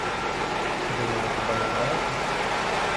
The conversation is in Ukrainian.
Ви мене хіба не знаєте?